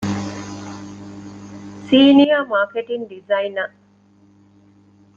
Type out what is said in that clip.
ސީނިއަރ މާކެޓިންގ ޑިޒައިނަރ